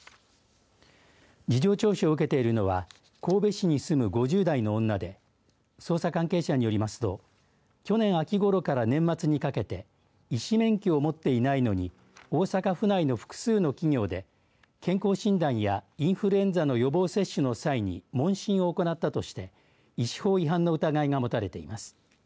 事情聴取を受けているのは神戸市に住む５０代の女で捜査関係者によりますと去年秋ごろから年末にかけて医師免許を持っていないのに大阪府内の複数の企業で健康診断やインフルエンザの予防接種の際に問診を行ったとして医師法違反の疑いが持たれています。